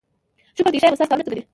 شکر دی ښه یم، ستاسې کارونه څنګه دي؟